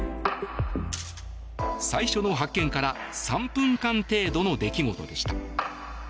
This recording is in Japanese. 最初の発見から３分間程度の出来事でした。